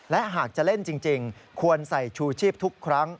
และหากจะเล่นจริงควรใส่ชูชีพทุกครั้ง